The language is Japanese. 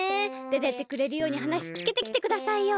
でてってくれるようにはなしつけてきてくださいよ。